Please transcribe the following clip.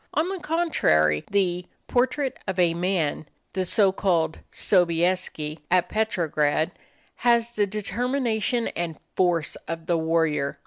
On the contrary, the "Portrait of a Man" the so called Sobieski, at Petrograd, has the determination and force of the warrior.